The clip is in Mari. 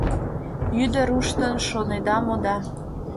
Йӱде руштын, шонеда мо да